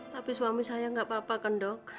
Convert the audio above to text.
tapi suami saya nggak apa apa kan dok